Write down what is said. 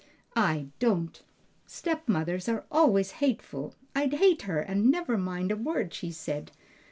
"I don't! stepmothers are always hateful! I'd hate her and never mind a word she said.